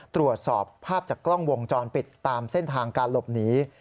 ตรวจสอบภาพจากกล้องวงจรปิดตามเส้นทางการหลบหนี